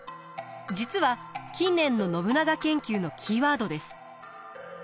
実は近年の信長研究のキーワードです。